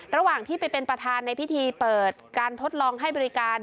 ระหว่างที่ไปเป็นประธานในพิธีเปิดการทดลองให้บริการ